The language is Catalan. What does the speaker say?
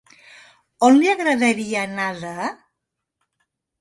On li agradaria anar de??